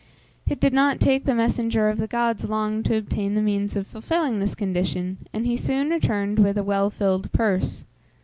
It did not take the messenger of the gods long to obtain the means of fulfilling this condition, and he soon returned with a well filled purse.